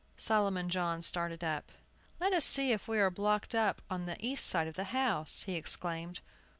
Solomon John started up. "Let us see if we are blocked up on the east side of the house!" he exclaimed.